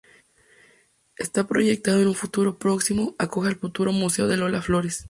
Está proyectado que en un futuro próximo acoja el futuro museo de Lola Flores.